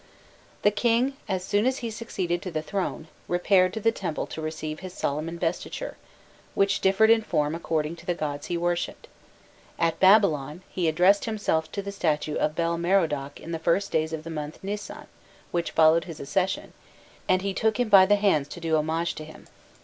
The king, as soon as he succeeded to the throne, repaired to the temple to receive his solemn investiture, which differed in form according to the gods he worshipped: at Babylon, he addressed himself to the statue of Bel Merodach in the first days of the month Nisan which followed his accession, and he "took him by the hands" to do homage to him.